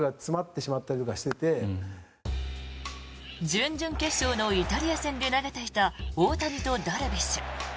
準々決勝のイタリア戦で投げていた大谷とダルビッシュ。